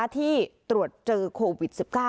ที่ตรวจเจอโควิด๑๙